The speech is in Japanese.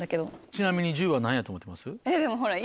ちなみに１０は何やと思ってます？